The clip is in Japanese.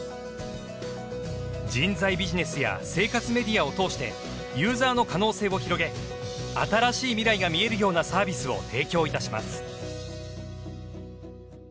人材ビジネスや生活メディアを通してユーザーの可能性を広げ新しい未来が見えるようなサービスを提供いたします。